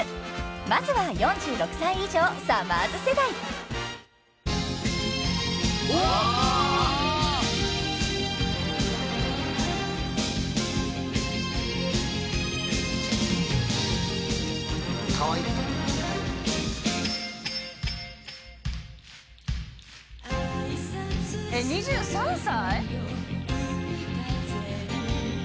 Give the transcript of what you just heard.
［まずは４６歳以上さまぁず世代］えっ２３歳？